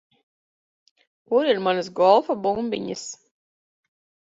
Kur ir manas golfa bumbiņas?